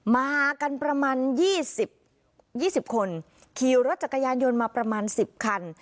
มากันประมาณ๒๐คนขี่รถจักรยานยนต์มาประมาณ๑๐คัน